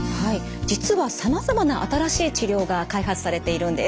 実はさまざまな新しい治療が開発されているんです。